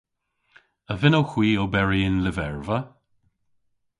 A vynnowgh hwi oberi y'n lyverva?